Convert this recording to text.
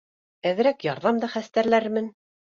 Әҙерәк ярҙам да хәстәрләрмен